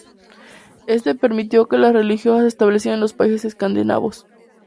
Este permitió que las religiosas se establecieran en los países escandinavos.